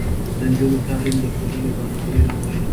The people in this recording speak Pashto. د نجونو تعلیم د ټولنې برابري راولي.